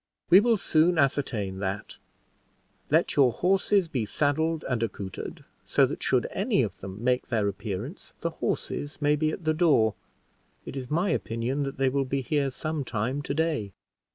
"We will soon ascertain that; let your horses be saddled and accoutered, so that should any of them make their appearance, the horses may be at the door. It is my opinion that they will be here some time to day."